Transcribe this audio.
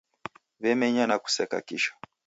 W'emenya na kuseka kisha.